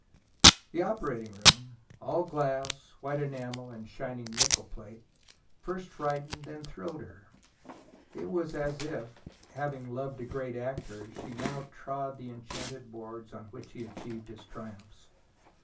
The operating room all glass, white enamel, and shining nickel plate first frightened, then thrilled her. It was as if, having loved a great actor, she now trod the enchanted boards on which he achieved his triumphs.